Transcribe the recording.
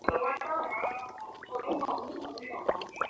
অন্য কোনরূপ দান তাঁহাকে নেওয়ান যাইত না।